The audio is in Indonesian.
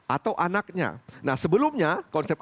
atau anaknya nah sebelumnya konsep